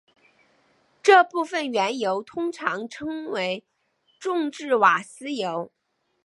这部分原油通常称为重质瓦斯油。